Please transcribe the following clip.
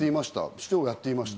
市長をやっていました。